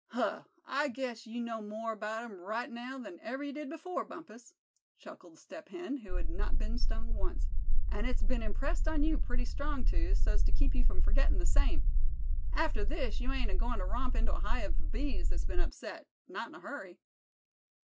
"Huh! I just guess you know more about 'em right now than ever you did before, Bumpus," chuckled Step Hen, who had not been stung once; "and it's been impressed on you pretty strong, too, so's to keep you from forgettin' the same. After this you ain't agoin' to romp into a hive of bees that's been upset, not in a hurry."